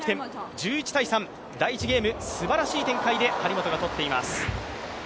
１１−３第１ゲーム、すばらしい展開で張本がとっています。